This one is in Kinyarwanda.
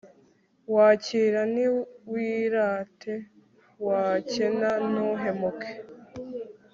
wakira ntiwirate, wakena ntuhemuke